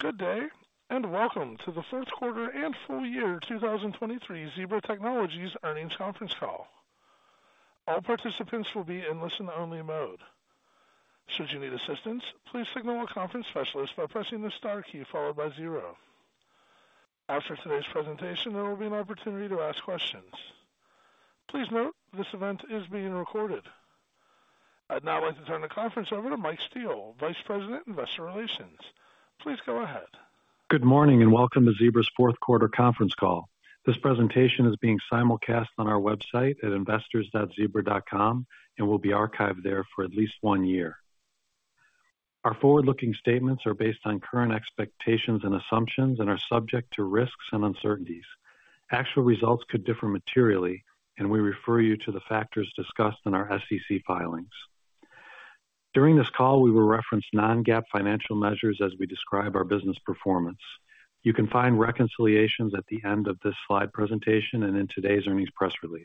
Good day and welcome to the fourth quarter and full year 2023 Zebra Technologies earnings conference call. All participants will be in listen-only mode. Should you need assistance, please signal a conference specialist by pressing the star key followed by zero. After today's presentation, there will be an opportunity to ask questions. Please note, this event is being recorded. I'd now like to turn the conference over to Mike Steele, Vice President, Investor Relations. Please go ahead. Good morning and welcome to Zebra's fourth quarter conference call. This presentation is being simulcast on our website at investors.zebra.com and will be archived there for at least one year. Our forward-looking statements are based on current expectations and assumptions and are subject to risks and uncertainties. Actual results could differ materially, and we refer you to the factors discussed in our SEC filings. During this call, we will reference non-GAAP financial measures as we describe our business performance. You can find reconciliations at the end of this slide presentation and in today's earnings press release.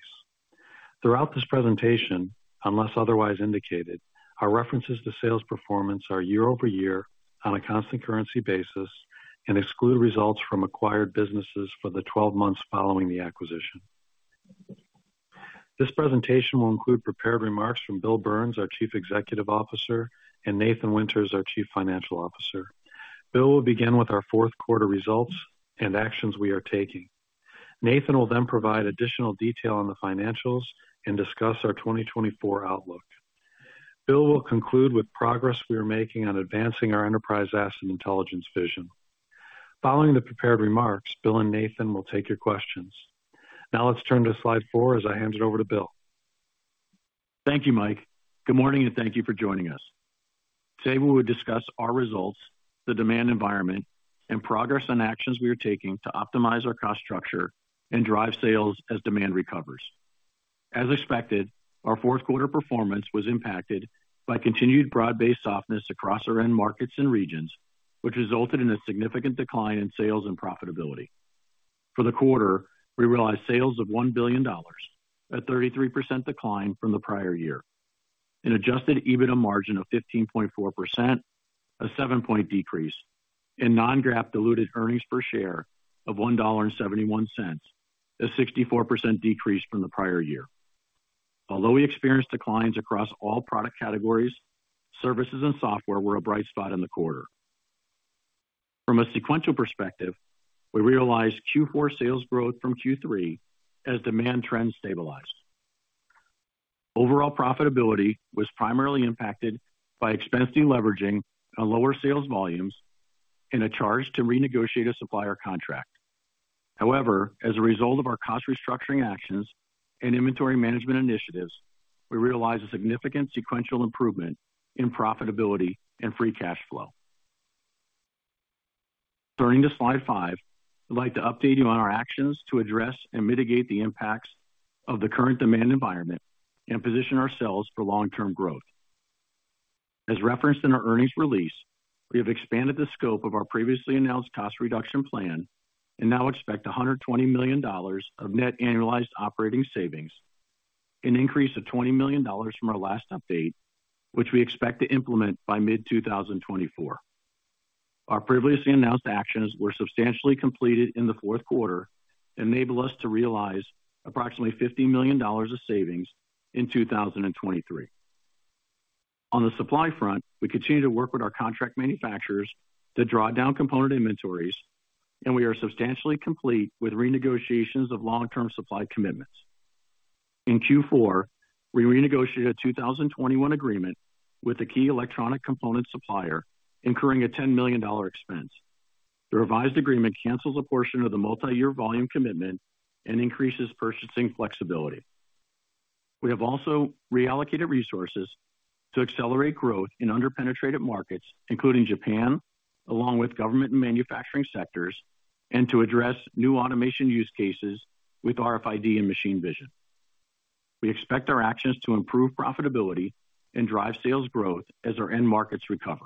Throughout this presentation, unless otherwise indicated, our references to sales performance are year-over-year on a constant currency basis and exclude results from acquired businesses for the 12 months following the acquisition. This presentation will include prepared remarks from Bill Burns, our Chief Executive Officer, and Nathan Winters, our Chief Financial Officer. Bill will begin with our fourth quarter results and actions we are taking. Nathan will then provide additional detail on the financials and discuss our 2024 outlook. Bill will conclude with progress we are making on advancing our Enterprise Asset Intelligence vision. Following the prepared remarks, Bill and Nathan will take your questions. Now let's turn to Slide 4 as I hand it over to Bill. Thank you, Mike. Good morning and thank you for joining us. Today we would discuss our results, the demand environment, and progress on actions we are taking to optimize our cost structure and drive sales as demand recovers. As expected, our fourth quarter performance was impacted by continued broad-based softness across our end markets and regions, which resulted in a significant decline in sales and profitability. For the quarter, we realized sales of $1 billion, a 33% decline from the prior year, an adjusted EBITDA margin of 15.4%, a 7-point decrease, and non-GAAP diluted earnings per share of $1.71, a 64% decrease from the prior year. Although we experienced declines across all product categories, services and software were a bright spot in the quarter. From a sequential perspective, we realized Q4 sales growth from Q3 as demand trends stabilized. Overall profitability was primarily impacted by expensive leveraging on lower sales volumes and a charge to renegotiate a supplier contract. However, as a result of our cost restructuring actions and inventory management initiatives, we realized a significant sequential improvement in profitability and free cash flow. Turning to Slide 5, I'd like to update you on our actions to address and mitigate the impacts of the current demand environment and position ourselves for long-term growth. As referenced in our earnings release, we have expanded the scope of our previously announced cost reduction plan and now expect $120 million of net annualized operating savings, an increase of $20 million from our last update, which we expect to implement by mid-2024. Our previously announced actions were substantially completed in the fourth quarter and enable us to realize approximately $50 million of savings in 2023. On the supply front, we continue to work with our contract manufacturers to draw down component inventories, and we are substantially complete with renegotiations of long-term supply commitments. In Q4, we renegotiated a 2021 agreement with a key electronic component supplier, incurring a $10 million expense. The revised agreement cancels a portion of the multi-year volume commitment and increases purchasing flexibility. We have also reallocated resources to accelerate growth in underpenetrated markets, including Japan, along with government and manufacturing sectors, and to address new automation use cases with RFID and Machine Vision. We expect our actions to improve profitability and drive sales growth as our end markets recover.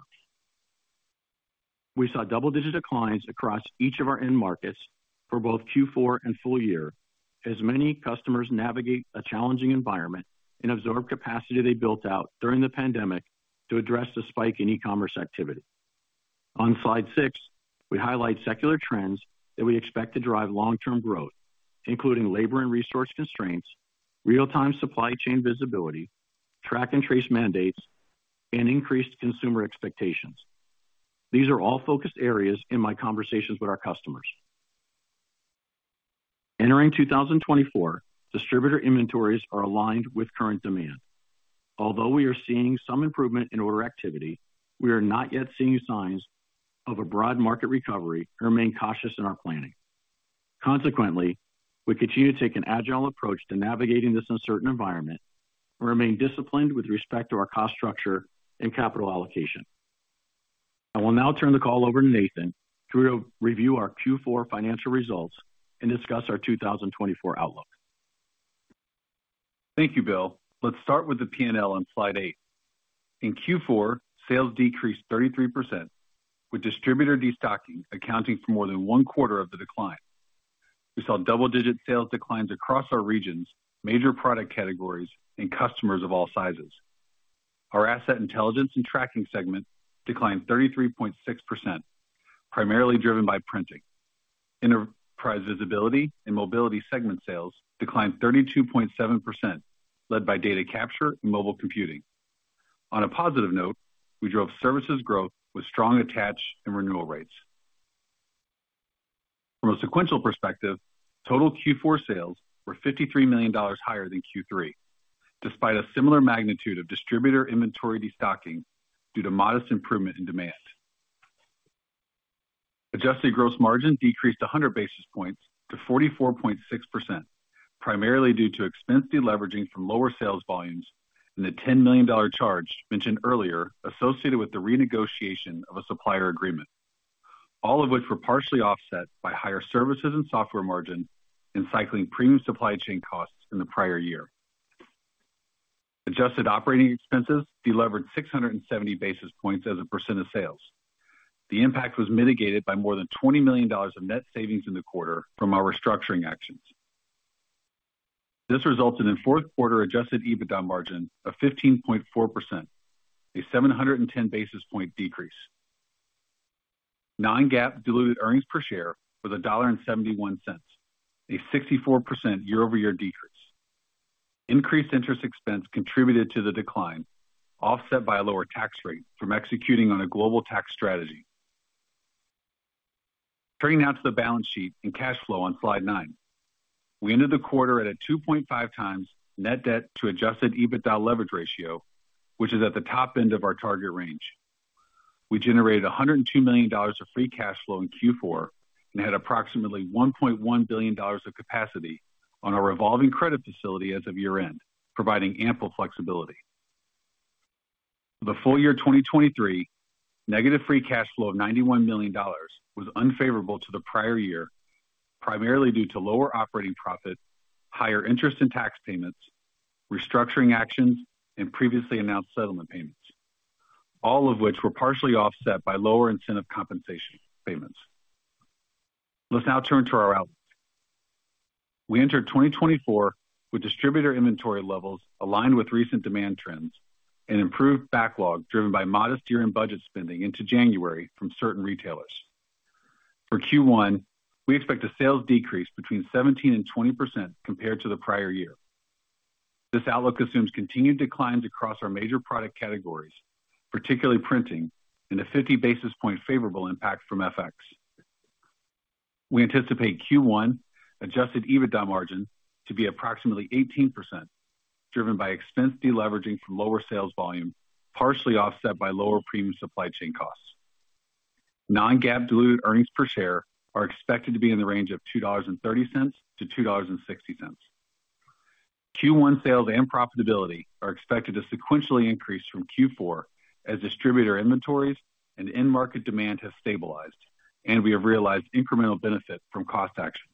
We saw double-digit declines across each of our end markets for both Q4 and full year as many customers navigate a challenging environment and absorb capacity they built out during the pandemic to address the spike in e-commerce activity. On Slide 6, we highlight secular trends that we expect to drive long-term growth, including labor and resource constraints, real-time supply chain visibility, track-and-trace mandates, and increased consumer expectations. These are all focused areas in my conversations with our customers. Entering 2024, distributor inventories are aligned with current demand. Although we are seeing some improvement in order activity, we are not yet seeing signs of a broad market recovery and remain cautious in our planning. Consequently, we continue to take an agile approach to navigating this uncertain environment and remain disciplined with respect to our cost structure and capital allocation. I will now turn the call over to Nathan to review our Q4 financial results and discuss our 2024 outlook. Thank you, Bill. Let's start with the P&L on Slide 8. In Q4, sales decreased 33%, with distributor destocking accounting for more than 25% of the decline. We saw double-digit sales declines across our regions, major product categories, and customers of all sizes. Our asset intelligence and tracking segment declined 33.6%, primarily driven by printing. Enterprise visibility and mobility segment sales declined 32.7%, led by data capture and mobile computing. On a positive note, we drove services growth with strong attach and renewal rates. From a sequential perspective, total Q4 sales were $53 million higher than Q3, despite a similar magnitude of distributor inventory destocking due to modest improvement in demand. Adjusted gross margin decreased 100 basis points to 44.6%, primarily due to expensive leveraging from lower sales volumes and the $10 million charge mentioned earlier associated with the renegotiation of a supplier agreement, all of which were partially offset by higher services and software margin and cycling premium supply chain costs in the prior year. Adjusted operating expenses delevered 670 basis points as a percent of sales. The impact was mitigated by more than $20 million of net savings in the quarter from our restructuring actions. This resulted in fourth quarter adjusted EBITDA margin of 15.4%, a 710 basis point decrease. Non-GAAP diluted earnings per share was $1.71, a 64% year-over-year decrease. Increased interest expense contributed to the decline, offset by a lower tax rate from executing on a global tax strategy. Turning now to the balance sheet and cash flow on slide 9. We ended the quarter at a 2.5x net debt to adjusted EBITDA leverage ratio, which is at the top end of our target range. We generated $102 million of free cash flow in Q4 and had approximately $1.1 billion of capacity on our revolving credit facility as of year-end, providing ample flexibility. For the full year 2023, negative free cash flow of $91 million was unfavorable to the prior year, primarily due to lower operating profit, higher interest and tax payments, restructuring actions, and previously announced settlement payments, all of which were partially offset by lower incentive compensation payments. Let's now turn to our outlook. We entered 2024 with distributor inventory levels aligned with recent demand trends and improved backlog driven by modest year-end budget spending into January from certain retailers. For Q1, we expect a sales decrease between 17% and 20% compared to the prior year. This outlook assumes continued declines across our major product categories, particularly printing, and a 50 basis points favorable impact from FX. We anticipate Q1 adjusted EBITDA margin to be approximately 18%, driven by expense leveraging from lower sales volume, partially offset by lower premium supply chain costs. Non-GAAP diluted earnings per share are expected to be in the range of $2.30-$2.60. Q1 sales and profitability are expected to sequentially increase from Q4 as distributor inventories and end market demand have stabilized, and we have realized incremental benefit from cost actions.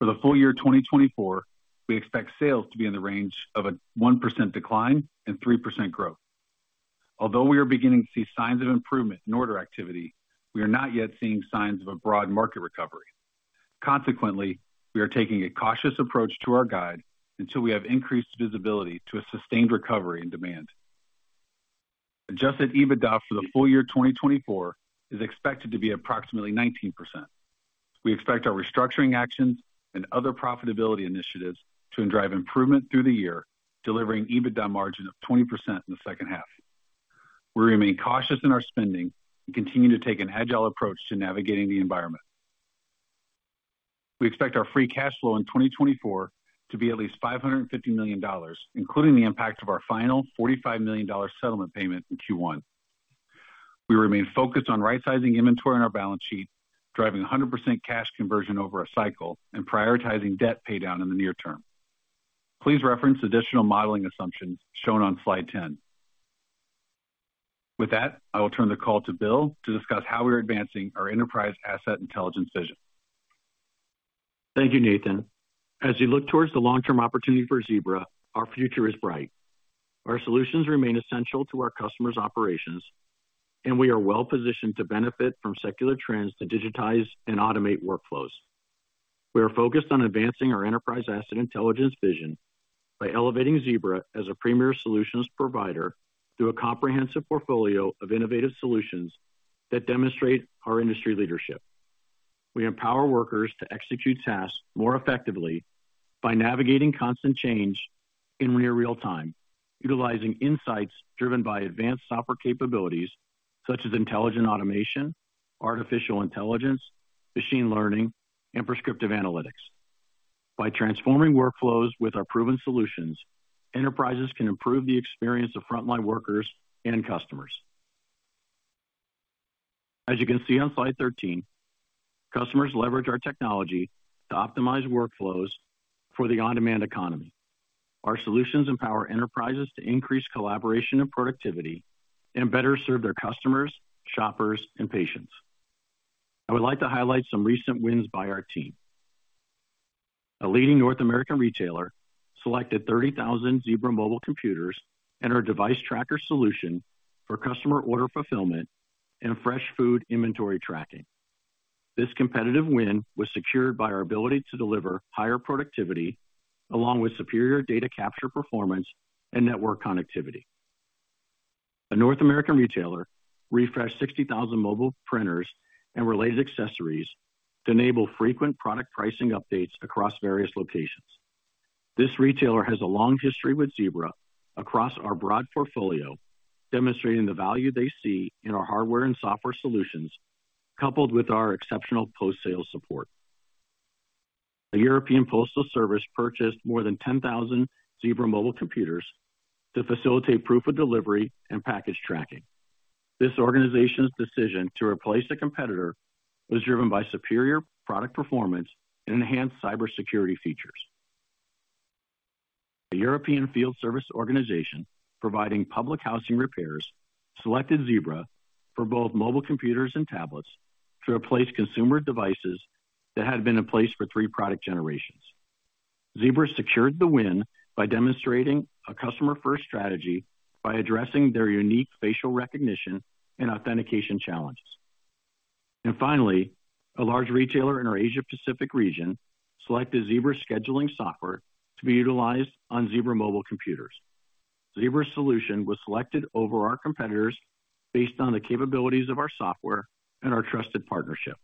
For the full year 2024, we expect sales to be in the range of -1% to 3%. Although we are beginning to see signs of improvement in order activity, we are not yet seeing signs of a broad market recovery. Consequently, we are taking a cautious approach to our guide until we have increased visibility to a sustained recovery in demand. Adjusted EBITDA for the full year 2024 is expected to be approximately 19%. We expect our restructuring actions and other profitability initiatives to drive improvement through the year, delivering EBITDA margin of 20% in the second half. We remain cautious in our spending and continue to take an agile approach to navigating the environment. We expect our free cash flow in 2024 to be at least $550 million, including the impact of our final $45 million settlement payment in Q1. We remain focused on right-sizing inventory in our balance sheet, driving 100% cash conversion over a cycle, and prioritizing debt paydown in the near term. Please reference additional modeling assumptions shown on Slide 10. With that, I will turn the call to Bill to discuss how we are advancing our Enterprise Asset Intelligence vision. Thank you, Nathan. As you look towards the long-term opportunity for Zebra, our future is bright. Our solutions remain essential to our customers' operations, and we are well-positioned to benefit from secular trends to digitize and automate workflows. We are focused on advancing our Enterprise Asset Intelligence vision by elevating Zebra as a premier solutions provider through a comprehensive portfolio of innovative solutions that demonstrate our industry leadership. We empower workers to execute tasks more effectively by navigating constant change in near real time, utilizing insights driven by advanced software capabilities such as intelligent automation, artificial intelligence, machine learning, and prescriptive analytics. By transforming workflows with our proven solutions, enterprises can improve the experience of frontline workers and customers. As you can see on Slide 13, customers leverage our technology to optimize workflows for the on-demand economy. Our solutions empower enterprises to increase collaboration and productivity and better serve their customers, shoppers, and patients. I would like to highlight some recent wins by our team. A leading North American retailer selected 30,000 Zebra mobile computers and our Device Tracker solution for customer order fulfillment and fresh food inventory tracking. This competitive win was secured by our ability to deliver higher productivity along with superior data capture performance and network connectivity. A North American retailer refreshed 60,000 mobile printers and related accessories to enable frequent product pricing updates across various locations. This retailer has a long history with Zebra across our broad portfolio, demonstrating the value they see in our hardware and software solutions coupled with our exceptional post-sales support. A European Postal Service purchased more than 10,000 Zebra mobile computers to facilitate proof of delivery and package tracking. This organization's decision to replace a competitor was driven by superior product performance and enhanced cybersecurity features. A European Field Service Organization providing public housing repairs selected Zebra for both mobile computers and tablets to replace consumer devices that had been in place for three product generations. Zebra secured the win by demonstrating a customer-first strategy by addressing their unique facial recognition and authentication challenges. And finally, a large retailer in our Asia-Pacific region selected Zebra scheduling software to be utilized on Zebra mobile computers. Zebra's solution was selected over our competitors based on the capabilities of our software and our trusted partnership.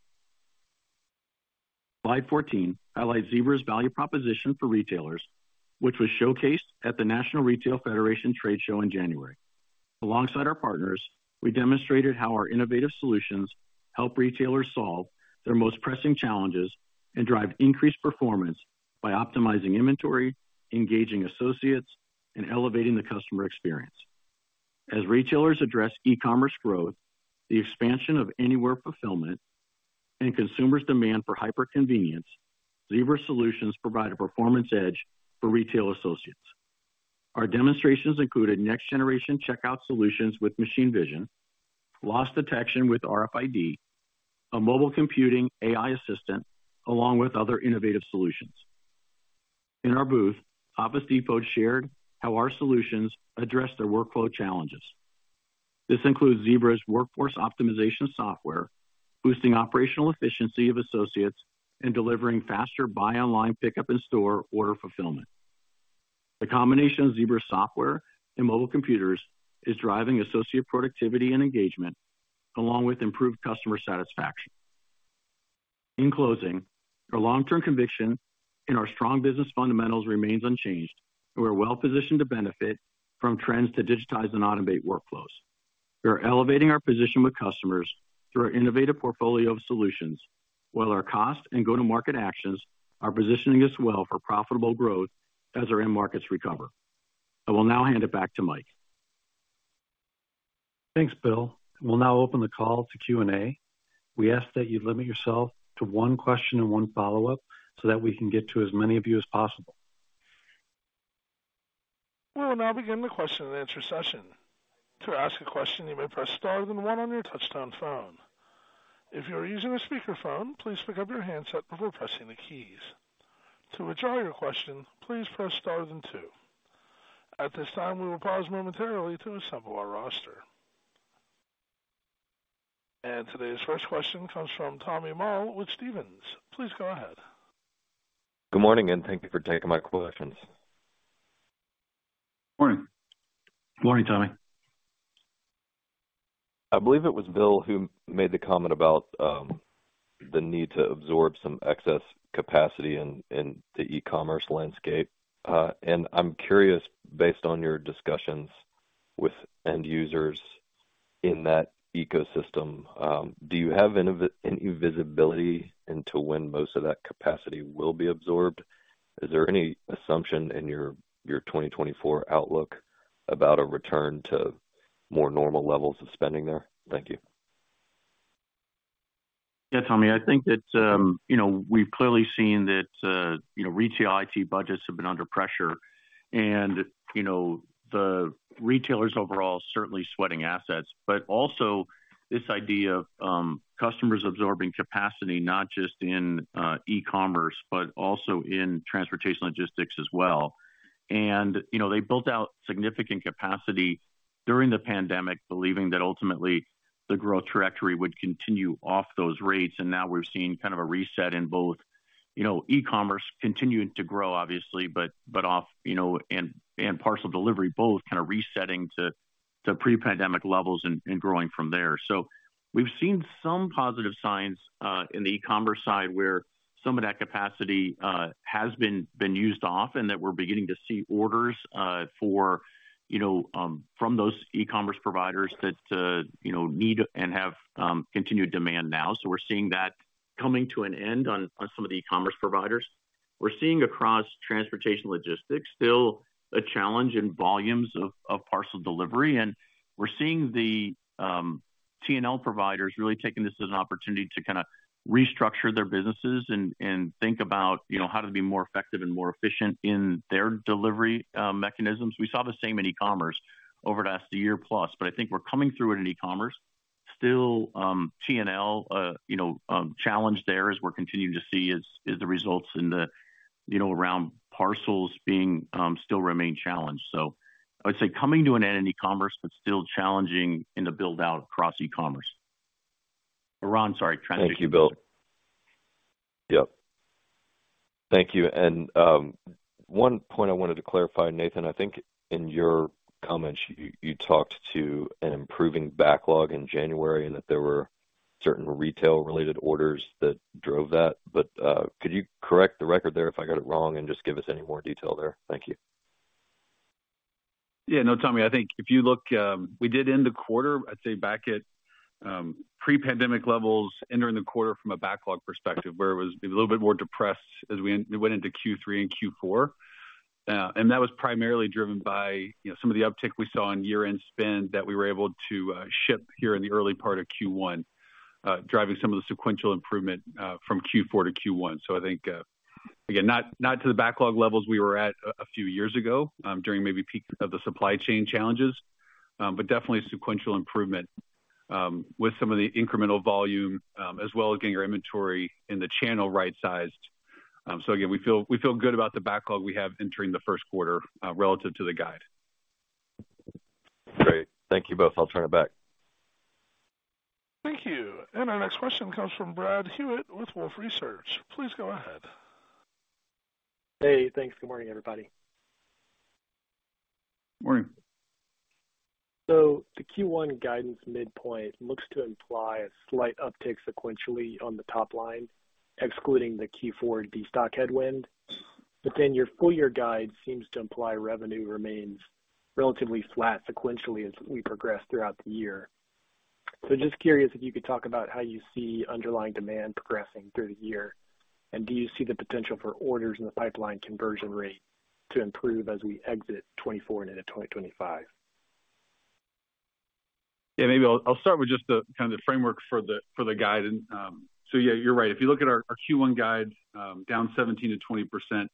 Slide 14 highlights Zebra's value proposition for retailers, which was showcased at the National Retail Federation Trade Show in January. Alongside our partners, we demonstrated how our innovative solutions help retailers solve their most pressing challenges and drive increased performance by optimizing inventory, engaging associates, and elevating the customer experience. As retailers address e-commerce growth, the expansion of anywhere fulfillment, and consumers' demand for hyperconvenience, Zebra's solutions provide a performance edge for retail associates. Our demonstrations included next-generation checkout solutions with Machine Vision, loss detection with RFID, a mobile computing AI assistant, along with other innovative solutions. In our booth, Office Depot shared how our solutions address their workflow challenges. This includes Zebra's workforce optimization software, boosting operational efficiency of associates, and delivering faster buy-online, pickup-in-store order fulfillment. The combination of Zebra's software and mobile computers is driving associate productivity and engagement, along with improved customer satisfaction. In closing, our long-term conviction in our strong business fundamentals remains unchanged, and we are well-positioned to benefit from trends to digitize and automate workflows. We are elevating our position with customers through our innovative portfolio of solutions, while our cost and go-to-market actions are positioning us well for profitable growth as our end markets recover. I will now hand it back to Mike. Thanks, Bill. We'll now open the call to Q&A. We ask that you limit yourself to one question and one follow-up so that we can get to as many of you as possible. We will now begin the question-and-answer session. To ask a question, you may press star, then one on your touch-tone phone. If you are using a speakerphone, please pick up your handset before pressing the keys. To withdraw your question, please press star, then two. At this time, we will pause momentarily to assemble our roster. Today's first question comes from Tommy Moll with Stephens. Please go ahead. Good morning, and thank you for taking my questions. Morning. Good morning, Tommy. I believe it was Bill who made the comment about the need to absorb some excess capacity in the e-commerce landscape. I'm curious, based on your discussions with end users in that ecosystem, do you have any visibility into when most of that capacity will be absorbed? Is there any assumption in your 2024 outlook about a return to more normal levels of spending there? Thank you. Yeah, Tommy. I think that we've clearly seen that retail IT budgets have been under pressure, and the retailers overall are certainly sweating assets. But also, this idea of customers absorbing capacity, not just in e-commerce but also in transportation logistics as well. And they built out significant capacity during the pandemic, believing that ultimately the growth trajectory would continue off those rates. And now we've seen kind of a reset in both e-commerce continuing to grow, obviously, but off and parcel delivery, both kind of resetting to pre-pandemic levels and growing from there. So we've seen some positive signs in the e-commerce side where some of that capacity has been used off and that we're beginning to see orders from those e-commerce providers that need and have continued demand now. So we're seeing that coming to an end on some of the e-commerce providers. We're seeing across transportation logistics still a challenge in volumes of parcel delivery. And we're seeing the T&L providers really taking this as an opportunity to kind of restructure their businesses and think about how to be more effective and more efficient in their delivery mechanisms. We saw the same in e-commerce over the last year plus. But I think we're coming through it in e-commerce. Still, T&L challenge there is we're continuing to see the results around parcels still remain challenged. So I would say coming to an end in e-commerce but still challenging in the build-out across e-commerce. Ron, sorry, transition. Thank you, Bill. Yep. Thank you. One point I wanted to clarify, Nathan. I think in your comments, you talked to an improving backlog in January and that there were certain retail-related orders that drove that. But could you correct the record there if I got it wrong and just give us any more detail there? Thank you. Yeah. No, Tommy. I think if you look, we did end the quarter, I'd say back at pre-pandemic levels, entering the quarter from a backlog perspective, where it was maybe a little bit more depressed as we went into Q3 and Q4. And that was primarily driven by some of the uptick we saw in year-end spend that we were able to ship here in the early part of Q1, driving some of the sequential improvement from Q4 to Q1. So I think, again, not to the backlog levels we were at a few years ago during maybe peak of the supply chain challenges, but definitely sequential improvement with some of the incremental volume as well as getting our inventory in the channel right-sized. So again, we feel good about the backlog we have entering the first quarter relative to the guide. Great. Thank you both. I'll turn it back. Thank you. And our next question comes from Brad Hewitt with Wolfe Research. Please go ahead. Hey. Thanks. Good morning, everybody. Morning. The Q1 guidance midpoint looks to imply a slight uptick sequentially on the top line, excluding the Q4 destock headwind. Then your full-year guide seems to imply revenue remains relatively flat sequentially as we progress throughout the year. Just curious if you could talk about how you see underlying demand progressing through the year. Do you see the potential for orders in the pipeline conversion rate to improve as we exit 2024 and into 2025? Yeah. Maybe I'll start with just kind of the framework for the guide. So yeah, you're right. If you look at our Q1 guide, down 17%-20%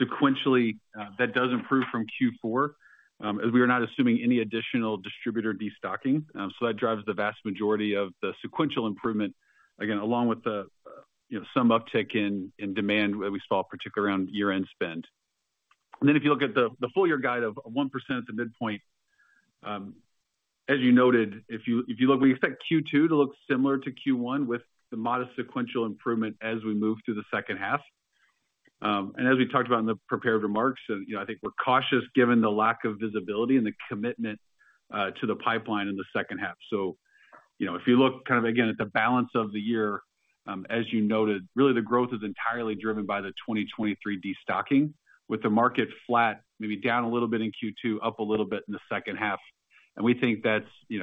sequentially, that does improve from Q4 as we are not assuming any additional distributor destocking. So that drives the vast majority of the sequential improvement, again, along with some uptick in demand that we saw, particularly around year-end spend. And then if you look at the full-year guide of 1% at the midpoint, as you noted, if you look we expect Q2 to look similar to Q1 with the modest sequential improvement as we move through the second half. And as we talked about in the prepared remarks, I think we're cautious given the lack of visibility and the commitment to the pipeline in the second half. So if you look kind of, again, at the balance of the year, as you noted, really, the growth is entirely driven by the 2023 destocking, with the market flat, maybe down a little bit in Q2, up a little bit in the second half. And we think that's the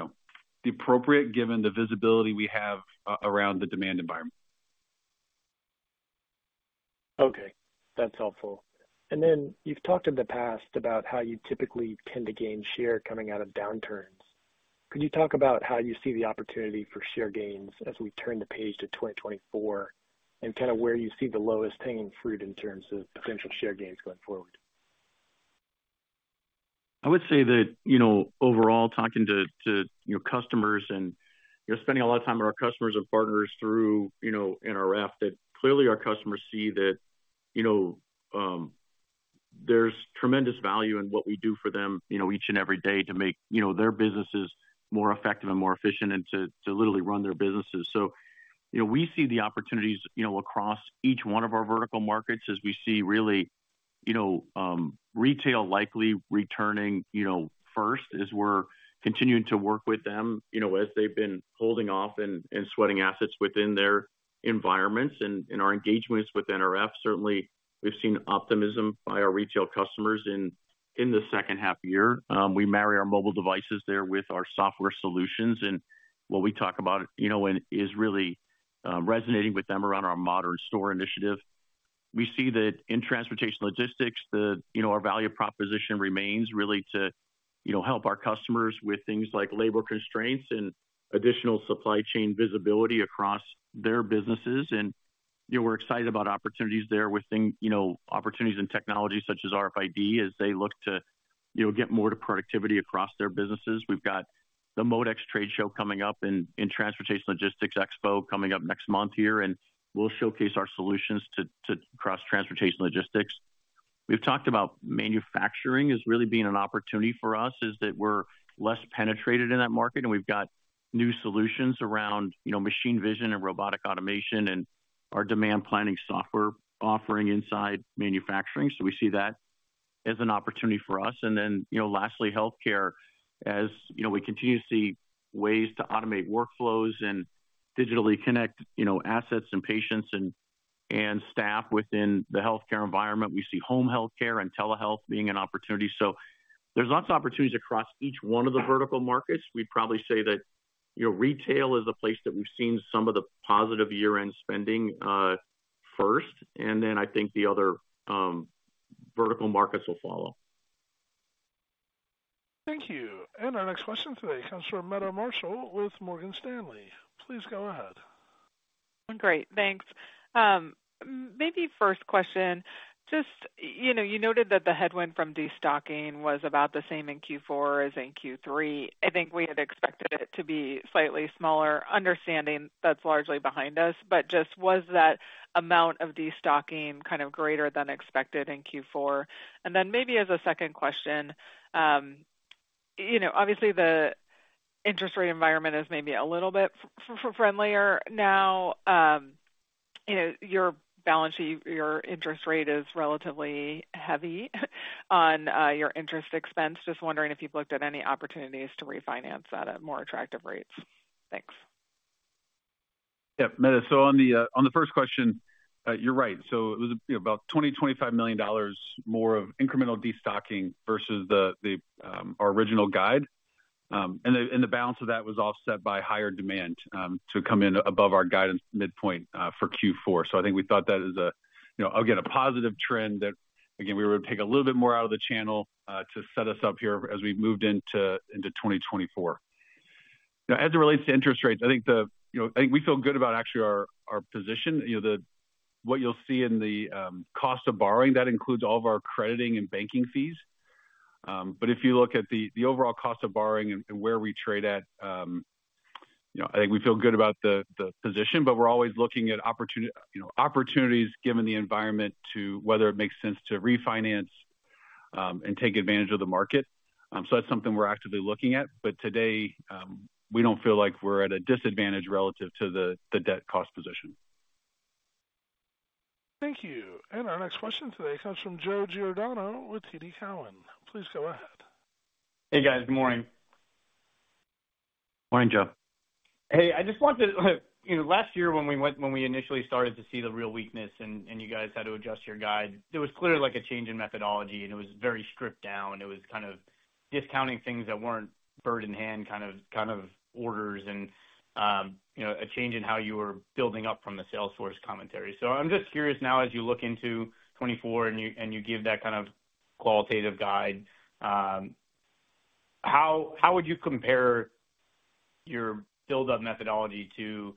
appropriate given the visibility we have around the demand environment. Okay. That's helpful. And then you've talked in the past about how you typically tend to gain share coming out of downturns. Could you talk about how you see the opportunity for share gains as we turn the page to 2024 and kind of where you see the lowest hanging fruit in terms of potential share gains going forward? I would say that overall, talking to customers and spending a lot of time with our customers and partners through NRF, that clearly our customers see that there's tremendous value in what we do for them each and every day to make their businesses more effective and more efficient and to literally run their businesses. We see the opportunities across each one of our vertical markets as we see really retail likely returning first as we're continuing to work with them as they've been holding off and sweating assets within their environments. In our engagements with NRF, certainly, we've seen optimism by our retail customers in the second half year. We marry our mobile devices there with our software solutions. What we talk about and is really resonating with them around our Modern Store initiative. We see that in transportation logistics, our value proposition remains really to help our customers with things like labor constraints and additional supply chain visibility across their businesses. And we're excited about opportunities there with opportunities in technology such as RFID as they look to get more productivity across their businesses. We've got the MODEX trade show coming up in Transportation & Logistics expo coming up next month here. And we'll showcase our solutions across transportation logistics. We've talked about manufacturing as really being an opportunity for us, is that we're less penetrated in that market. And we've got new solutions around machine vision and robotic automation and our demand planning software offering inside manufacturing. So we see that as an opportunity for us. And then lastly, healthcare. As we continue to see ways to automate workflows and digitally connect assets and patients and staff within the healthcare environment, we see home healthcare and telehealth being an opportunity. So there's lots of opportunities across each one of the vertical markets. We'd probably say that retail is the place that we've seen some of the positive year-end spending first. And then I think the other vertical markets will follow. Thank you. Our next question today comes from Meta Marshall with Morgan Stanley. Please go ahead. Great. Thanks. Maybe first question, just you noted that the headwind from destocking was about the same in Q4 as in Q3. I think we had expected it to be slightly smaller, understanding that's largely behind us. But just was that amount of destocking kind of greater than expected in Q4? And then maybe as a second question, obviously, the interest rate environment is maybe a little bit friendlier now. Your balance sheet, your interest rate is relatively heavy on your interest expense. Just wondering if you've looked at any opportunities to refinance that at more attractive rates. Thanks. Yep. Meta, so on the first question, you're right. So it was about $20 million-$25 million more of incremental destocking versus our original guide. And the balance of that was offset by higher demand to come in above our guidance midpoint for Q4. So I think we thought that is, again, a positive trend that, again, we would take a little bit more out of the channel to set us up here as we moved into 2024. As it relates to interest rates, I think we feel good about actually our position. What you'll see in the cost of borrowing, that includes all of our crediting and banking fees. But if you look at the overall cost of borrowing and where we trade at, I think we feel good about the position. We're always looking at opportunities given the environment to whether it makes sense to refinance and take advantage of the market. That's something we're actively looking at. Today, we don't feel like we're at a disadvantage relative to the debt cost position. Thank you. Our next question today comes from Joe Giordano with TD Cowen. Please go ahead. Hey, guys. Good morning. Morning, Joe. Hey, I just want to last year, when we initially started to see the real weakness and you guys had to adjust your guide, there was clearly a change in methodology. It was very stripped down. It was kind of discounting things that weren't bird-in-hand kind of orders and a change in how you were building up from the sales force commentary. I'm just curious now, as you look into 2024 and you give that kind of qualitative guide, how would you compare your build-up methodology to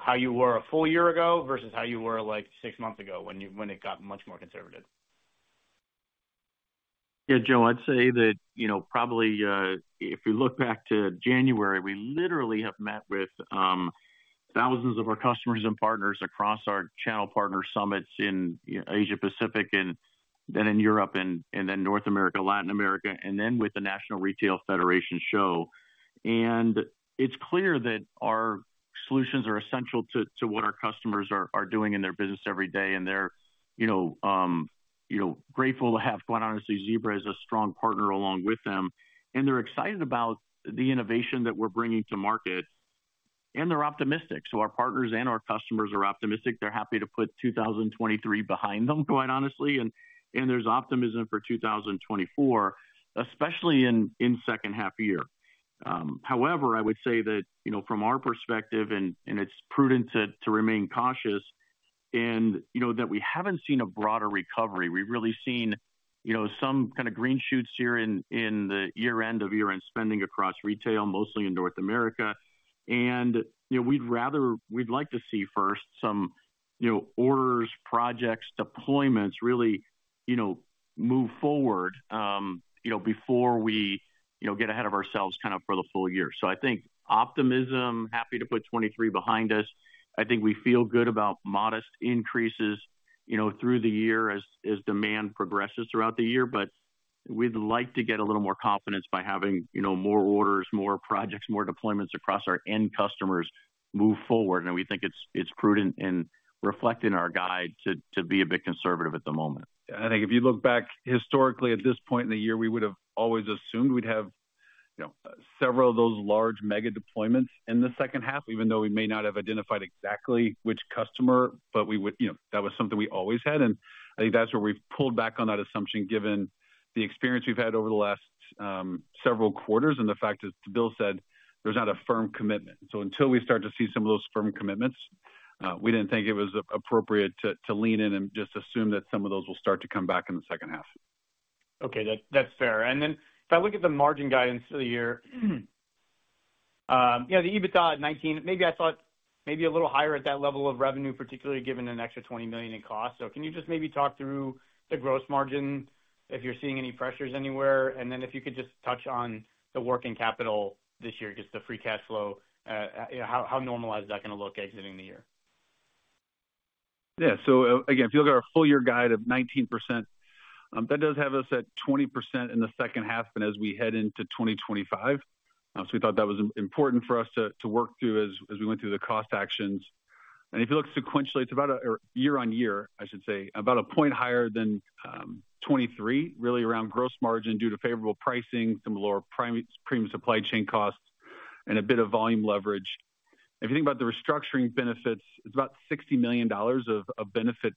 how you were a full year ago versus how you were six months ago when it got much more conservative? Yeah, Joe, I'd say that probably if we look back to January, we literally have met with thousands of our customers and partners across our channel partner summits in Asia-Pacific and then in Europe and then North America, Latin America, and then with the National Retail Federation Show. It's clear that our solutions are essential to what our customers are doing in their business every day. They're grateful to have, quite honestly, Zebra as a strong partner along with them. They're excited about the innovation that we're bringing to market. They're optimistic. Our partners and our customers are optimistic. They're happy to put 2023 behind them, quite honestly. There's optimism for 2024, especially in second half year. However, I would say that from our perspective, and it's prudent to remain cautious, that we haven't seen a broader recovery. We've really seen some kind of green shoots here in the year-end of year-end spending across retail, mostly in North America. We'd like to see first some orders, projects, deployments really move forward before we get ahead of ourselves kind of for the full year. I think optimism, happy to put 2023 behind us. I think we feel good about modest increases through the year as demand progresses throughout the year. We'd like to get a little more confidence by having more orders, more projects, more deployments across our end customers move forward. We think it's prudent in reflecting our guide to be a bit conservative at the moment. Yeah. I think if you look back historically at this point in the year, we would have always assumed we'd have several of those large mega deployments in the second half, even though we may not have identified exactly which customer. That was something we always had. I think that's where we've pulled back on that assumption given the experience we've had over the last several quarters and the fact that, as Bill said, there's not a firm commitment. Until we start to see some of those firm commitments, we didn't think it was appropriate to lean in and just assume that some of those will start to come back in the second half. Okay. That's fair. And then if I look at the margin guidance for the year, the EBITDA at 19%, maybe I thought maybe a little higher at that level of revenue, particularly given an extra $20 million in cost. So can you just maybe talk through the gross margin if you're seeing any pressures anywhere? And then if you could just touch on the working capital this year, just the free cash flow, how normalized is that going to look exiting the year? Yeah. So again, if you look at our full-year guide of 19%, that does have us at 20% in the second half as we head into 2025. So we thought that was important for us to work through as we went through the cost actions. If you look sequentially, it's about a year-on-year, I should say, about a point higher than 2023, really around gross margin due to favorable pricing, some lower premium supply chain costs, and a bit of volume leverage. If you think about the restructuring benefits, it's about $60 million of benefit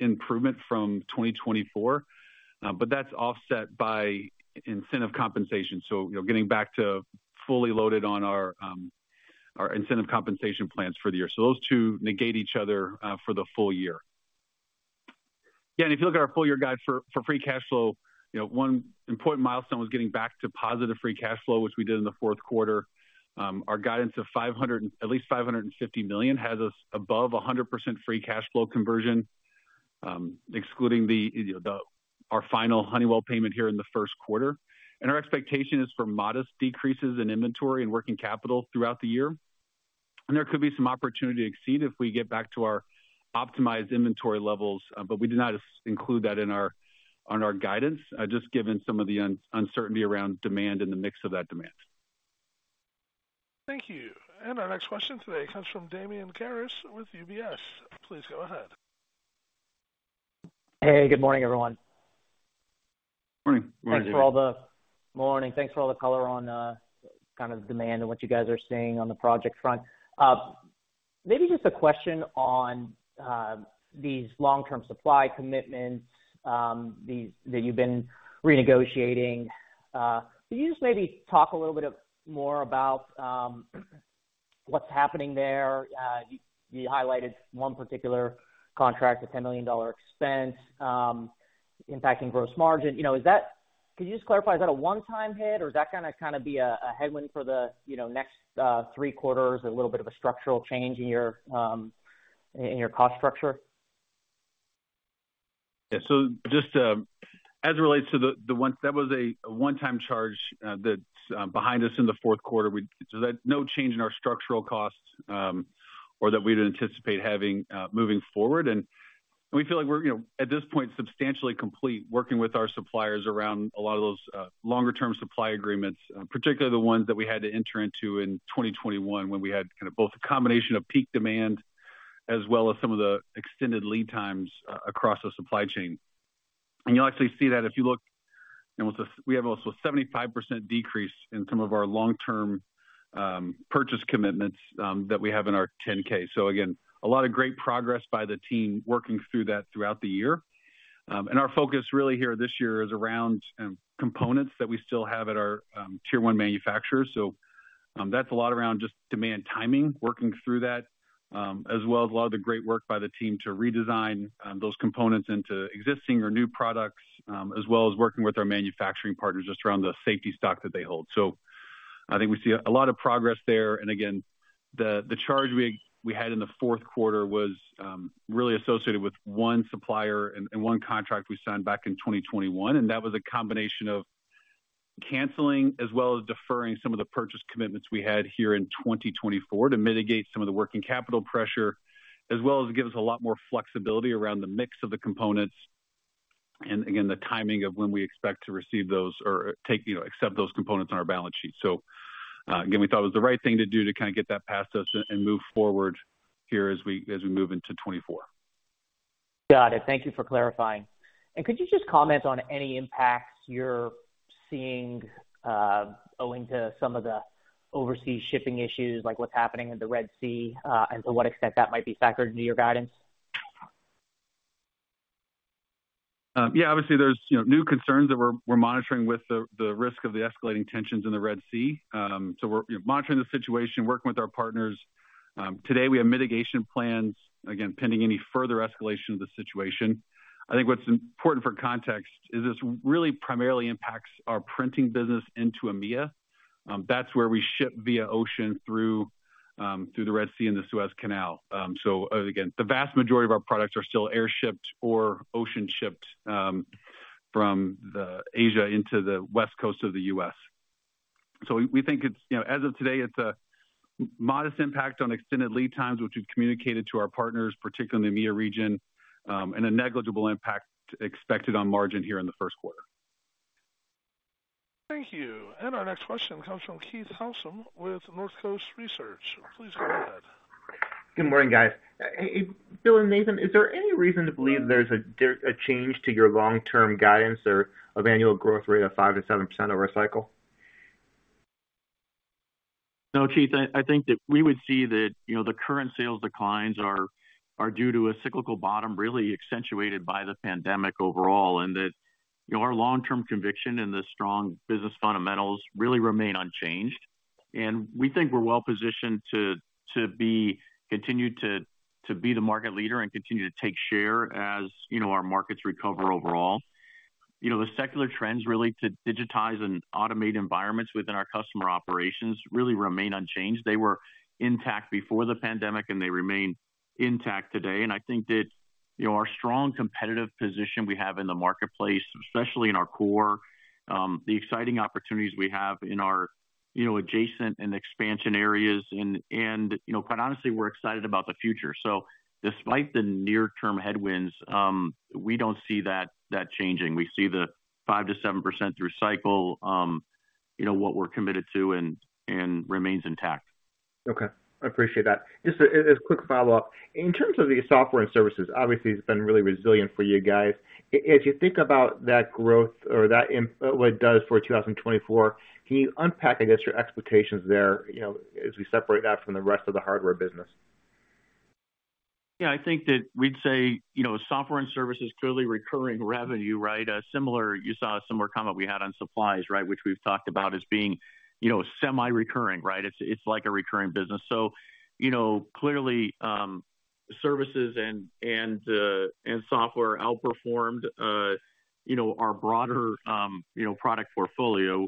improvement from 2024. But that's offset by incentive compensation. So getting back to fully loaded on our incentive compensation plans for the year. So those two negate each other for the full year. Yeah. If you look at our full-year guide for free cash flow, one important milestone was getting back to positive free cash flow, which we did in the fourth quarter. Our guidance of at least $550 million has us above 100% free cash flow conversion, excluding our final Honeywell payment here in the first quarter. Our expectation is for modest decreases in inventory and working capital throughout the year. There could be some opportunity to exceed if we get back to our optimized inventory levels. We did not include that in our guidance, just given some of the uncertainty around demand and the mix of that demand. Thank you. Our next question today comes from Damian Karas with UBS. Please go ahead. Hey. Good morning, everyone. Morning. Thanks for all the morning. Thanks for all the color on kind of demand and what you guys are seeing on the project front. Maybe just a question on these long-term supply commitments that you've been renegotiating. Could you just maybe talk a little bit more about what's happening there? You highlighted one particular contract, a $10 million expense, impacting gross margin. Could you just clarify, is that a one-time hit? Or is that going to kind of be a headwind for the next three quarters, a little bit of a structural change in your cost structure? Yeah. So just as it relates to the ones, that was a one-time charge that's behind us in the fourth quarter. So no change in our structural costs or that we'd anticipate having moving forward. And we feel like we're, at this point, substantially complete working with our suppliers around a lot of those longer-term supply agreements, particularly the ones that we had to enter into in 2021 when we had kind of both a combination of peak demand as well as some of the extended lead times across the supply chain. And you'll actually see that if you look, we have almost a 75% decrease in some of our long-term purchase commitments that we have in our 10-K. So again, a lot of great progress by the team working through that throughout the year. Our focus really here this year is around components that we still have at our tier one manufacturers. So that's a lot around just demand timing, working through that, as well as a lot of the great work by the team to redesign those components into existing or new products, as well as working with our manufacturing partners just around the safety stock that they hold. So I think we see a lot of progress there. And again, the charge we had in the fourth quarter was really associated with one supplier and one contract we signed back in 2021. That was a combination of canceling as well as deferring some of the purchase commitments we had here in 2024 to mitigate some of the working capital pressure, as well as give us a lot more flexibility around the mix of the components and, again, the timing of when we expect to receive those or accept those components on our balance sheet. So again, we thought it was the right thing to do to kind of get that past us and move forward here as we move into 2024. Got it. Thank you for clarifying. Could you just comment on any impacts you're seeing owing to some of the overseas shipping issues, like what's happening in the Red Sea, and to what extent that might be factored into your guidance? Yeah. Obviously, there's new concerns that we're monitoring with the risk of the escalating tensions in the Red Sea. So we're monitoring the situation, working with our partners. Today, we have mitigation plans, again, pending any further escalation of the situation. I think what's important for context is this really primarily impacts our printing business into EMEA. That's where we ship via ocean through the Red Sea and the Suez Canal. So again, the vast majority of our products are still air-shipped or ocean-shipped from Asia into the west coast of the U.S. So we think it's, as of today, it's a modest impact on extended lead times, which we've communicated to our partners, particularly in the EMEA region, and a negligible impact expected on margin here in the first quarter. Thank you. Our next question comes from Keith Housum with Northcoast Research. Please go ahead. Good morning, guys. Bill and Nathan, is there any reason to believe there's a change to your long-term guidance of annual growth rate of 5%-7% over a cycle? No, Keith. I think that we would see that the current sales declines are due to a cyclical bottom really accentuated by the pandemic overall and that our long-term conviction and the strong business fundamentals really remain unchanged. We think we're well positioned to continue to be the market leader and continue to take share as our markets recover overall. The secular trends related to digitize and automate environments within our customer operations really remain unchanged. They were intact before the pandemic, and they remain intact today. I think that our strong competitive position we have in the marketplace, especially in our core, the exciting opportunities we have in our adjacent and expansion areas. Quite honestly, we're excited about the future. Despite the near-term headwinds, we don't see that changing. We see the 5%-7% through cycle, what we're committed to, and remains intact. Okay. I appreciate that. Just a quick follow-up. In terms of the software and services, obviously, it's been really resilient for you guys. As you think about that growth or what it does for 2024, can you unpack, I guess, your expectations there as we separate that from the rest of the hardware business? Yeah. I think that we'd say software and service is clearly recurring revenue, right? You saw a similar comment we had on supplies, right, which we've talked about as being semi-recurring, right? It's like a recurring business. So clearly, services and software outperformed our broader product portfolio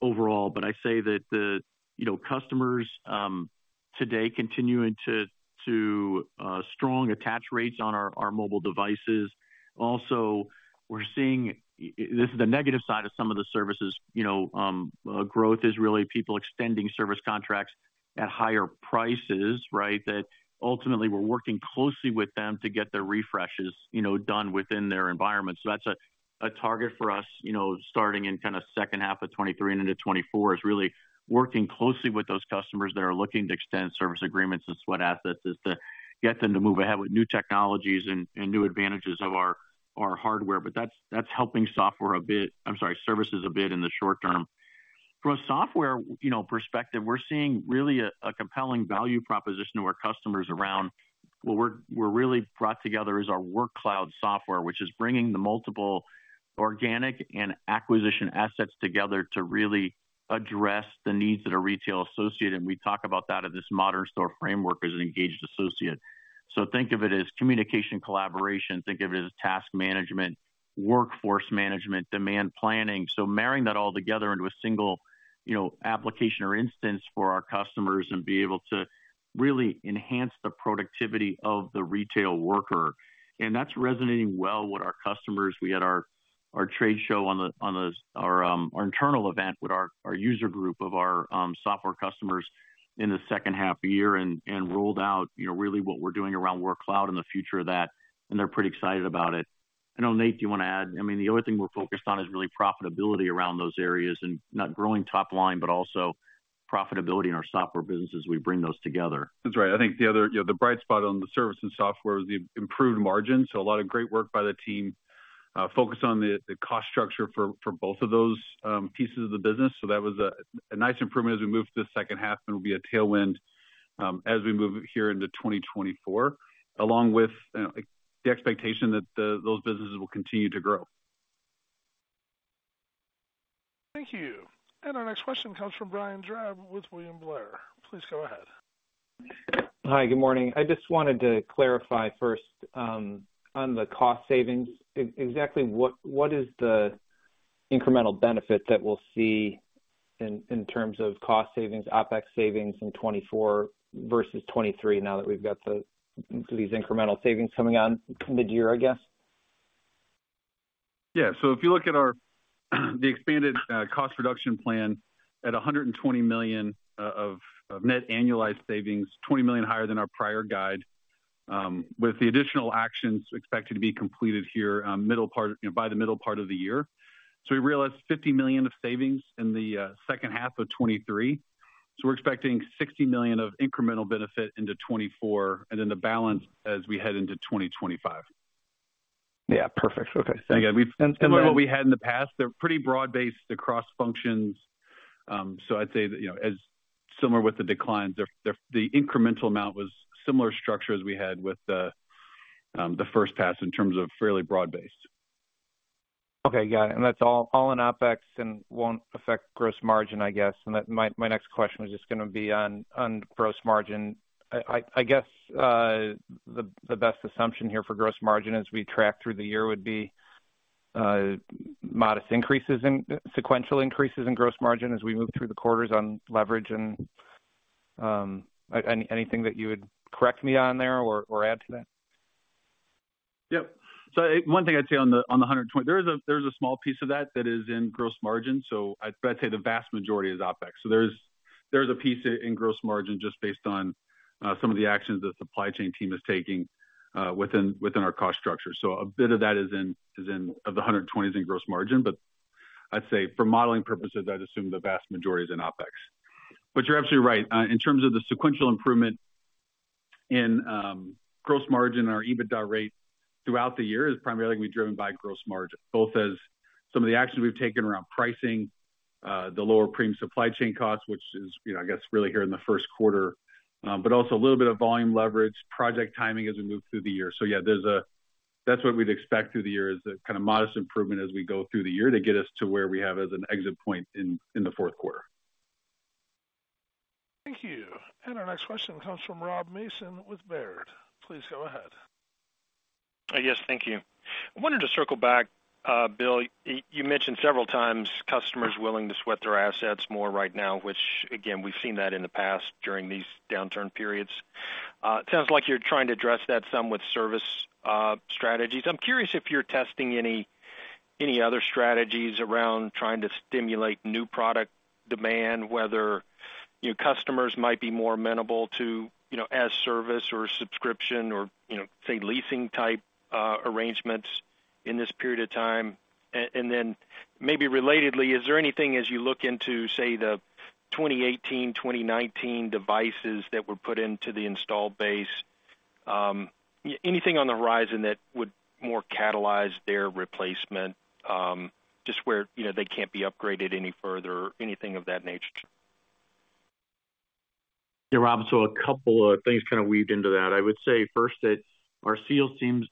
overall. But I say that the customers today continuing to strong attach rates on our mobile devices. Also, we're seeing this is the negative side of some of the services. Growth is really people extending service contracts at higher prices, right, that ultimately we're working closely with them to get their refreshes done within their environment. So that's a target for us starting in kind of second half of 2023 and into 2024 is really working closely with those customers that are looking to extend service agreements and sweat assets is to get them to move ahead with new technologies and new advantages of our hardware. But that's helping software a bit, I'm sorry, services a bit in the short term. From a software perspective, we're seeing really a compelling value proposition to our customers around what we're really brought together is our Workcloud software, which is bringing the multiple organic and acquisition assets together to really address the needs that are retail associated. And we talk about that in this Modern Store framework as an engaged associate. So think of it as communication collaboration. Think of it as task management, workforce management, demand planning. So marrying that all together into a single application or instance for our customers and be able to really enhance the productivity of the retail worker. And that's resonating well with our customers. We had our trade show, our internal event with our user group of our software customers in the second half of the year and rolled out really what we're doing around Workcloud in the future of that. And they're pretty excited about it. I don't know, Nate, do you want to add? I mean, the other thing we're focused on is really profitability around those areas and not growing top line, but also profitability in our software business as we bring those together. That's right. I think the other bright spot on the service and software was the improved margins. So a lot of great work by the team. Focus on the cost structure for both of those pieces of the business. So that was a nice improvement as we move to the second half and will be a tailwind as we move here into 2024, along with the expectation that those businesses will continue to grow. Thank you. Our next question comes from Brian Drab with William Blair. Please go ahead. Hi. Good morning. I just wanted to clarify first on the cost savings. Exactly what is the incremental benefit that we'll see in terms of cost savings, OPEX savings in 2024 versus 2023 now that we've got these incremental savings coming on mid-year, I guess? Yeah. So if you look at the expanded cost reduction plan at $120 million of net annualized savings, $20 million higher than our prior guide, with the additional actions expected to be completed here by the middle part of the year. So we realized $50 million of savings in the second half of 2023. So we're expecting $60 million of incremental benefit into 2024 and then the balance as we head into 2025. Yeah. Perfect. Okay. Thanks. Again, similar to what we had in the past, they're pretty broad-based across functions. I'd say similar with the declines, the incremental amount was similar structure as we had with the first pass in terms of fairly broad-based. Okay. Got it. And that's all in OpEx and won't affect gross margin, I guess. And my next question was just going to be on gross margin. I guess the best assumption here for gross margin as we track through the year would be modest increases in sequential increases in gross margin as we move through the quarters on leverage and anything that you would correct me on there or add to that? Yep. So one thing I'd say on the $120, there's a small piece of that that is in gross margin. So I'd say the vast majority is OpEx. So there's a piece in gross margin just based on some of the actions the supply chain team is taking within our cost structure. So a bit of that is in of the $120 is in gross margin. But I'd say for modeling purposes, I'd assume the vast majority is in OpEx. But you're absolutely right. In terms of the sequential improvement in gross margin and our EBITDA rate throughout the year, it is primarily going to be driven by gross margin, both as some of the actions we've taken around pricing, the lower premium supply chain costs, which is, I guess, really here in the first quarter, but also a little bit of volume leverage, project timing as we move through the year. So yeah, that's what we'd expect through the year: kind of modest improvement as we go through the year to get us to where we have as an exit point in the fourth quarter. Thank you. Our next question comes from Rob Mason with Baird. Please go ahead. Yes. Thank you. I wanted to circle back, Bill. You mentioned several times customers willing to sweat their assets more right now, which, again, we've seen that in the past during these downturn periods. Sounds like you're trying to address that some with service strategies. I'm curious if you're testing any other strategies around trying to stimulate new product demand, whether customers might be more amenable to as-service or subscription or, say, leasing-type arrangements in this period of time. And then maybe relatedly, is there anything as you look into, say, the 2018, 2019 devices that were put into the installed base, anything on the horizon that would more catalyze their replacement, just where they can't be upgraded any further, anything of that nature? Yeah, Rob. So a couple of things kind of woven into that. I would say first that our sales teams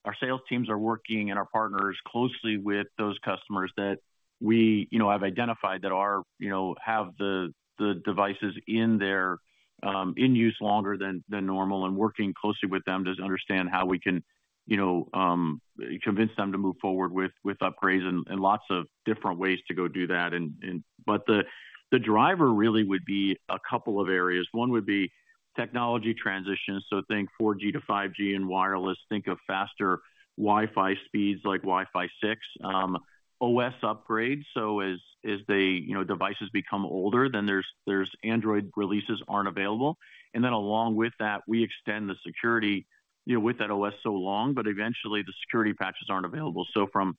are working with our partners closely with those customers that we have identified that have the devices in use longer than normal and working closely with them to understand how we can convince them to move forward with upgrades and lots of different ways to go do that. But the driver really would be a couple of areas. One would be technology transition. So think 4G to 5G and wireless. Think of faster Wi-Fi speeds like Wi-Fi 6. OS upgrades. So as the devices become older, then Android releases aren't available. And then along with that, we extend the security with that OS for so long, but eventually, the security patches aren't available. So from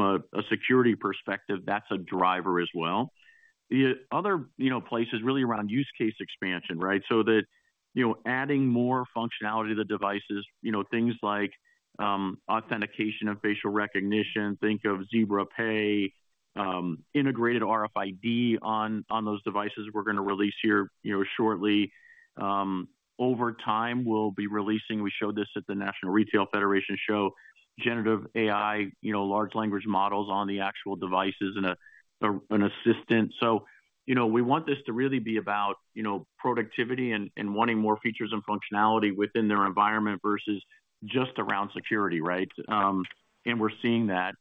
a security perspective, that's a driver as well. The other place is really around use case expansion, right? So adding more functionality to the devices, things like authentication of facial recognition. Think of Zebra Pay, integrated RFID on those devices we're going to release here shortly. Over time, we'll be releasing we showed this at the National Retail Federation Show, generative AI, large language models on the actual devices and an assistant. So we want this to really be about productivity and wanting more features and functionality within their environment versus just around security, right? And we're seeing that.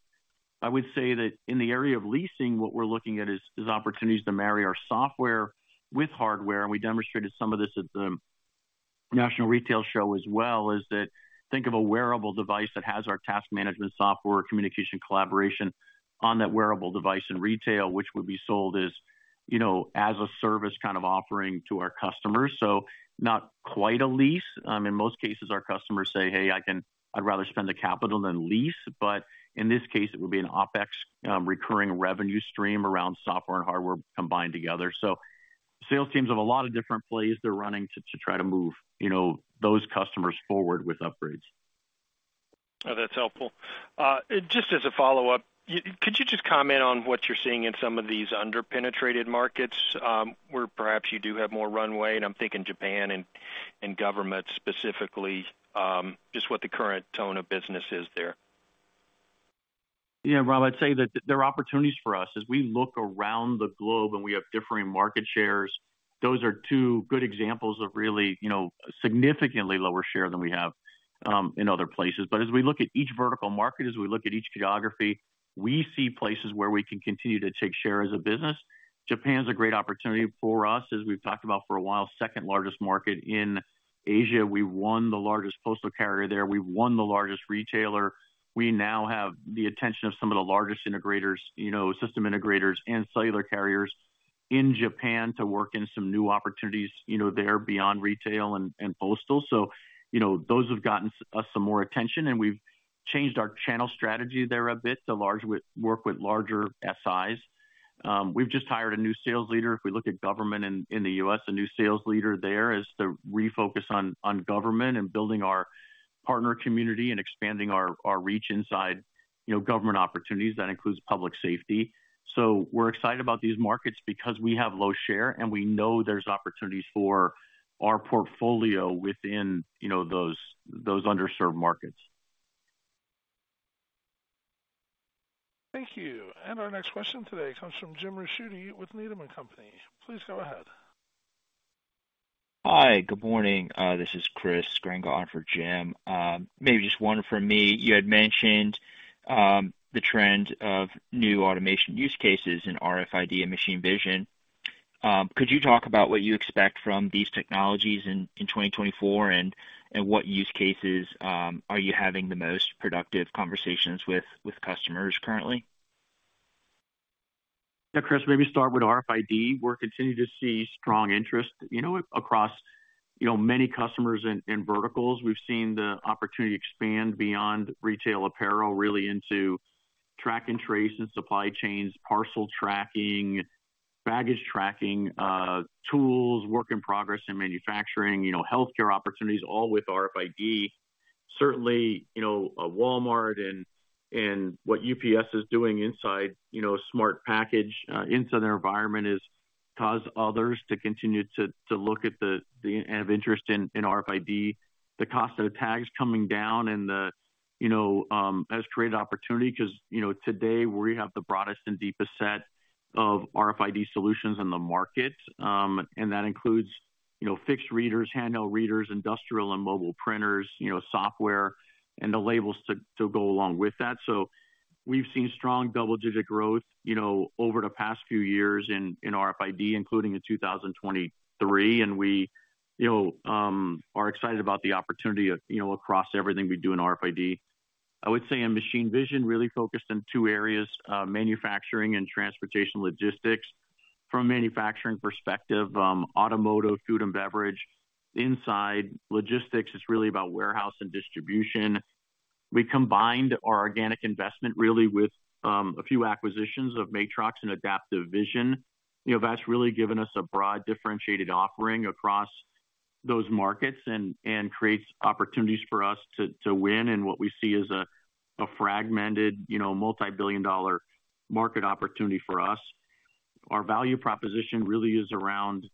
I would say that in the area of leasing, what we're looking at is opportunities to marry our software with hardware. We demonstrated some of this at the National Retail Show as well, is that think of a wearable device that has our task management software, communication collaboration on that wearable device in retail, which would be sold as a service kind of offering to our customers. So not quite a lease. In most cases, our customers say, "Hey, I'd rather spend the capital than lease." But in this case, it would be an OPEX recurring revenue stream around software and hardware combined together. So sales teams have a lot of different plays they're running to try to move those customers forward with upgrades. Oh, that's helpful. Just as a follow-up, could you just comment on what you're seeing in some of these under-penetrated markets where perhaps you do have more runway? I'm thinking Japan and government specifically, just what the current tone of business is there? Yeah, Rob. I'd say that there are opportunities for us. As we look around the globe and we have differing market shares, those are two good examples of really significantly lower share than we have in other places. But as we look at each vertical market, as we look at each geography, we see places where we can continue to take share as a business. Japan's a great opportunity for us, as we've talked about for a while, second-largest market in Asia. We've won the largest postal carrier there. We've won the largest retailer. We now have the attention of some of the largest integrators, system integrators, and cellular carriers in Japan to work in some new opportunities there beyond retail and postal. So those have gotten us some more attention. And we've changed our channel strategy there a bit to work with larger SIs. We've just hired a new sales leader. If we look at government in the U.S., a new sales leader there is to refocus on government and building our partner community and expanding our reach inside government opportunities. That includes public safety. So we're excited about these markets because we have low share and we know there's opportunities for our portfolio within those underserved markets. Thank you. Our next question today comes from Jim Ricchiuti with Needham & Co. Please go ahead. Hi. Good morning. This is Chris Grenga for Jim. Maybe just one from me. You had mentioned the trend of new automation use cases in RFID and machine vision. Could you talk about what you expect from these technologies in 2024 and what use cases are you having the most productive conversations with customers currently? Yeah, Chris. Maybe start with RFID. We're continuing to see strong interest across many customers and verticals. We've seen the opportunity expand beyond retail apparel really into track and trace and supply chains, parcel tracking, baggage tracking, tools, work in progress in manufacturing, healthcare opportunities, all with RFID. Certainly, Walmart and what UPS is doing inside Smart Package inside their environment has caused others to continue to look at the interest in RFID. The cost of the tags coming down has created opportunity because today, we have the broadest and deepest set of RFID solutions in the market. And that includes fixed readers, handheld readers, industrial and mobile printers, software, and the labels to go along with that. So we've seen strong double-digit growth over the past few years in RFID, including in 2023. And we are excited about the opportunity across everything we do in RFID. I would say in machine vision, really focused in two areas, manufacturing and transportation logistics. From a manufacturing perspective, automotive, food, and beverage. In logistics, it's really about warehouse and distribution. We combined our organic investment really with a few acquisitions of Matrox and Adaptive Vision. That's really given us a broad, differentiated offering across those markets and creates opportunities for us to win in what we see as a fragmented, multi-billion-dollar market opportunity for us. Our value proposition really is around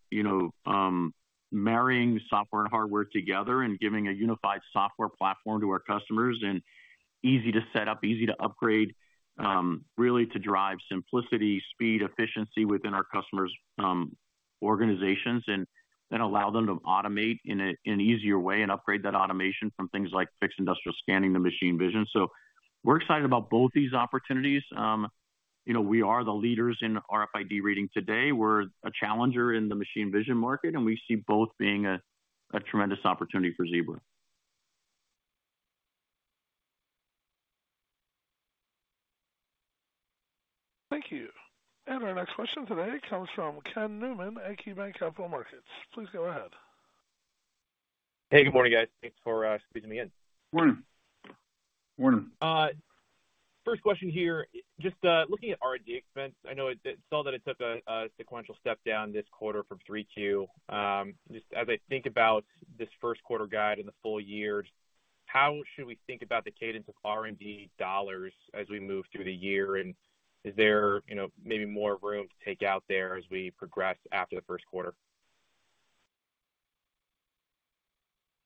marrying software and hardware together and giving a unified software platform to our customers and easy to set up, easy to upgrade, really to drive simplicity, speed, efficiency within our customers' organizations and allow them to automate in an easier way and upgrade that automation from things like fixed industrial scanning to machine vision. So we're excited about both these opportunities. We are the leaders in RFID reading today. We're a challenger in the machine vision market. We see both being a tremendous opportunity for Zebra. Thank you. Our next question today comes from Ken Newman at KeyBanc Capital Markets. Please go ahead. Hey. Good morning, guys. Thanks for squeezing me in. Morning. Morning. First question here, just looking at R&D expense. I know it's all that it took a sequential step down this quarter from 3Q. Just as I think about this first quarter guide and the full year, how should we think about the cadence of R&D dollars as we move through the year? And is there maybe more room to take out there as we progress after the first quarter?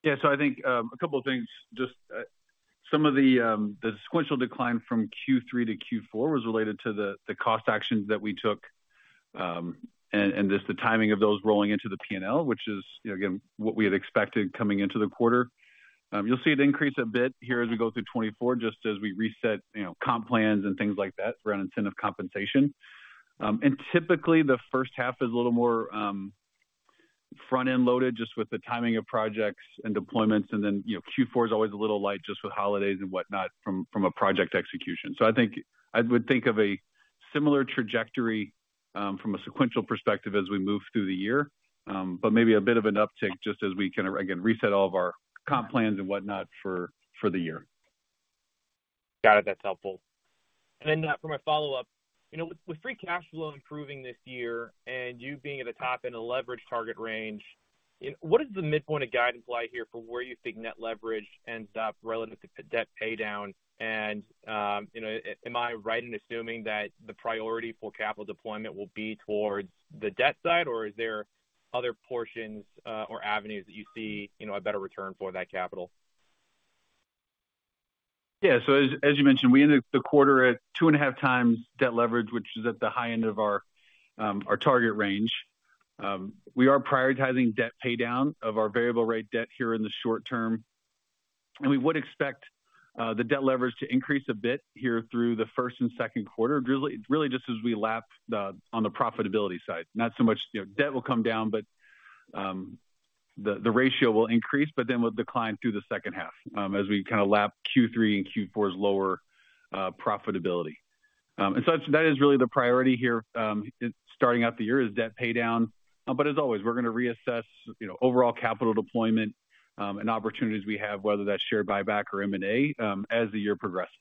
Yeah. So I think a couple of things. Just some of the sequential decline from Q3 to Q4 was related to the cost actions that we took and just the timing of those rolling into the P&L, which is, again, what we had expected coming into the quarter. You'll see it increase a bit here as we go through 2024 just as we reset comp plans and things like that around incentive compensation. And typically, the first half is a little more front-end loaded just with the timing of projects and deployments. And then Q4 is always a little light just with holidays and whatnot from a project execution. I think I would think of a similar trajectory from a sequential perspective as we move through the year, but maybe a bit of an uptick just as we kind of, again, reset all of our comp plans and whatnot for the year. Got it. That's helpful. And then for my follow-up, with free cash flow improving this year and you being at the top in a leveraged target range, what does the midpoint of guidance lie here for where you think net leverage ends up relative to debt paydown? And am I right in assuming that the priority for capital deployment will be towards the debt side, or is there other portions or avenues that you see a better return for that capital? Yeah. So as you mentioned, we ended the quarter at 2.5x debt leverage, which is at the high end of our target range. We are prioritizing debt paydown of our variable-rate debt here in the short term. We would expect the debt leverage to increase a bit here through the first and second quarter, really just as we lap on the profitability side. Not so much debt will come down, but the ratio will increase, but then will decline through the second half as we kind of lap Q3 and Q4's lower profitability. That is really the priority here starting out the year is debt paydown. But as always, we're going to reassess overall capital deployment and opportunities we have, whether that's share buyback or M&A, as the year progresses.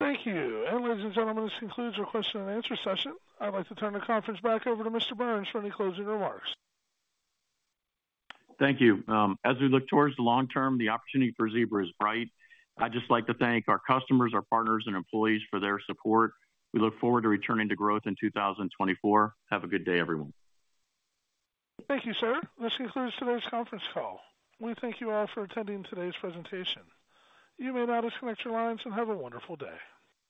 Thank you. Ladies and gentlemen, this concludes our question and answer session. I'd like to turn the conference back over to Mr. Burns for any closing remarks. Thank you. As we look towards the long term, the opportunity for Zebra is bright. I'd just like to thank our customers, our partners, and employees for their support. We look forward to returning to growth in 2024. Have a good day, everyone. Thank you, sir. This concludes today's conference call. We thank you all for attending today's presentation. You may now disconnect your lines and have a wonderful day.